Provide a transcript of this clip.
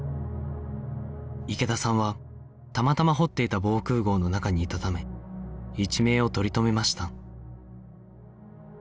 池田さんはたまたま掘っていた防空壕の中にいたため一命を取り留めました